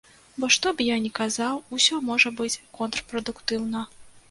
Бо што б я ні сказаў, усё можа быць контрпрадуктыўна.